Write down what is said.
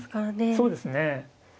そうですね。